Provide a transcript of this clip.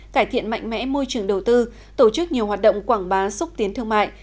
cải thiện mạnh mẽ môi trường đầu tư tổ chức nhiều hoạt động quảng bá xúc tiến thương mại